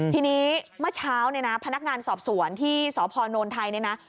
ทีนี้เมื่อเช้าเนี่ยนะพนักงานสอบสวนที่สพนไทยเนี่ยนะ